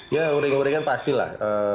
ya uring uringan pastilah